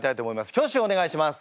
挙手をお願いします。